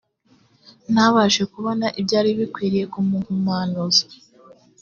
ntabashe kubona ibyari bikwiriye kumuhumanuza